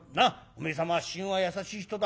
おめえ様はしんは優しい人だ。